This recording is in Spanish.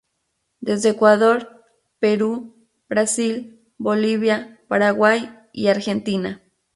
Desde Ecuador, Perú, Brasil, Bolivia, Paraguay y Argentina.